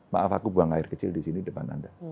maaf aku buang air kecil di sini depan anda